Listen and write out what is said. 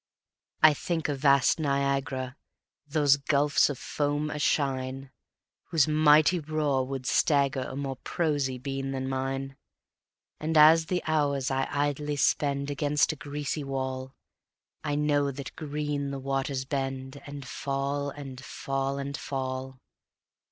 I think of vast Niagara, Those gulfs of foam a shine, Whose mighty roar would stagger a More prosy bean than mine; And as the hours I idly spend Against a greasy wall, I know that green the waters bend And fall and fall and fall.